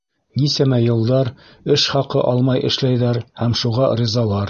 Нисәмә йылдар эш хаҡы алмай эшләйҙәр һәм шуға ризалар.